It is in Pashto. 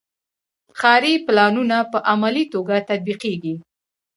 ښاري پلانونه په عملي توګه تطبیقیږي.